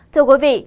thưa quý vị